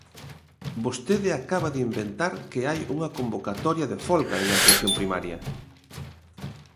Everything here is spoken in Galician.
Vostede acaba de inventar que hai unha convocatoria de folga en atención primaria.